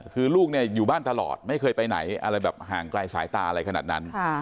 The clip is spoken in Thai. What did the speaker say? คือลูกเนี่ยอยู่บ้านตลอดไม่เคยไปไหนอะไรแบบห่างไกลสายตาอะไรขนาดนั้น